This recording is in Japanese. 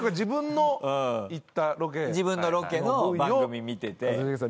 自分のロケの番組見てて。